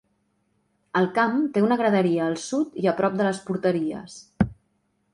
El camp té una graderia al sud i a prop de les porteries.